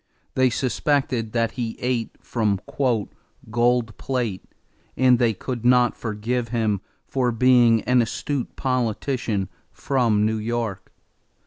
They suspected that he ate from "gold plate" and they could not forgive him for being an astute politician from New York.